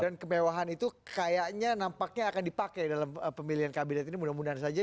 dan kepewahan itu kayaknya nampaknya akan dipakai dalam pemilihan kabinet ini mudah mudahan saja